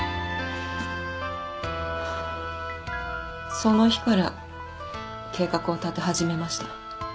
その日から計画を立て始めました。